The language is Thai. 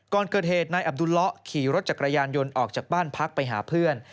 ก่อนเกิดเหตุนายอับดุลละขี่รถจักรยานยนต์ออกจากบ้านพักไปหาเพื่อน